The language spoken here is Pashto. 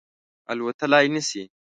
الوتلای نه شي